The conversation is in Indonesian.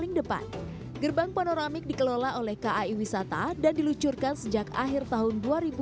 gerbong panoramik dikelola oleh kai wisata dan dilucurkan sejak akhir tahun dua ribu dua puluh tiga